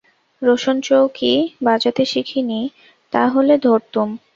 রোশনচৌকি বাজাতে শিখি নি, তা হলে ধরতুম।